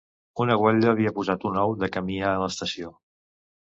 Una guatlla havia posat un ou de camí a l'estació.